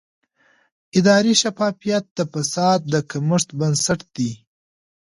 اداري شفافیت د فساد د کمښت بنسټ دی